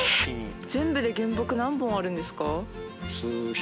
全部で原木何本あるんですか？